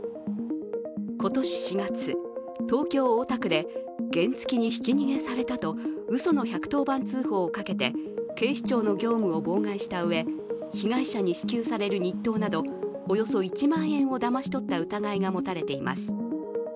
今年４月、東京・大田区で原付きにひき逃げされたとうその１１０番通報をかけて警視庁の業務を妨害したうえ、被害者に支給される日当などおよそ１万円をだまし取った疑いが持たれています。